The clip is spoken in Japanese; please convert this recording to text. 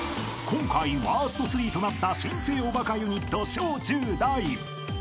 ［今回ワースト３となった新生おバカユニット小中大］